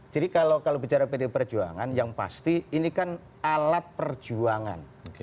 kalau bicara pdi perjuangan yang pasti ini kan alat perjuangan